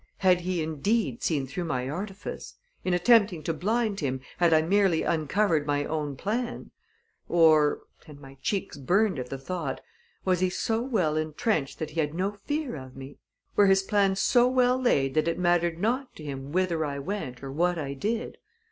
Had he, indeed, seen through my artifice? In attempting to blind him, had I merely uncovered my own plan? Or and my cheeks burned at the thought! was he so well intrenched that he had no fear of me? Were his plans so well laid that it mattered not to him whither I went or what I did?